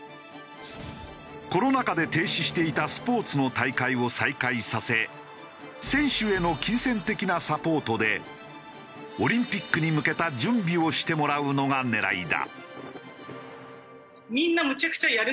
コロナ禍で停止していたスポーツの大会を再開させ選手への金銭的なサポートでオリンピックに向けた準備をしてもらうのが狙いだ。